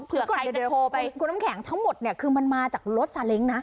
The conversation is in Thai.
เผื่อใครจะโทรไปคุณคุณอำแข็งทั้งหมดเนี่ยคือมันมาจากรถซาเล็งค์นะ